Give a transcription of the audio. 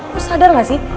lo sadar gak sih